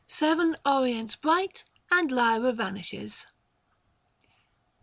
Seven Orients bright, And Lyra vanishes.